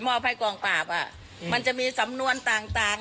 เพราะยังมีความเชื่อมั่นในตัวเอง